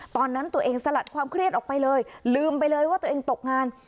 ตอนนั้นตัวเองสลัดความเครียดออกไปเลยลืมไปเลยว่าตัวเองตกงาน